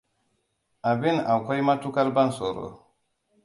Abin akwai matukar ban tsoro.